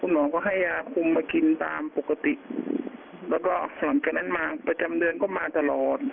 หมอก็ให้ยาคุมมากินตามปกติแล้วก็หลังจากนั้นมาประจำเดือนก็มาตลอด